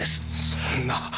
そんな！